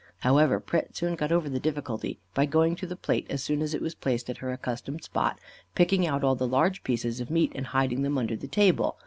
However, Pret soon got over the difficulty, by going to the plate as soon as it was placed at her accustomed spot, picking out all the large pieces of meat and hiding them under the table.